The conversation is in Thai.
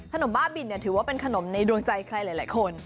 บ้าบินถือว่าเป็นขนมในดวงใจใครหลายคน